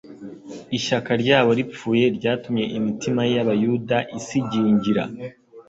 Ishyaka ryabo ripfuye ryatumye imitima y'abayuda isigingira.